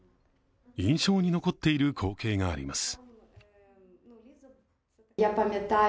印象に残っている光景があります。